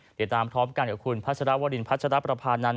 เดี๋ยวตามพร้อมกันกับคุณพัชรวรินพัชรประพานันท